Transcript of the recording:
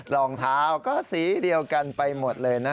รองเท้าก็สีเดียวกันไปหมดเลยนะ